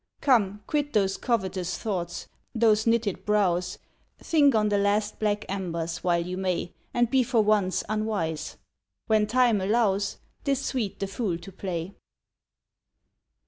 Come, quit those covetous thoughts, those knitted brows, Think on the last black embers, while you may, And be for once unwise. When time allows, 'Tis sweet the fool to play.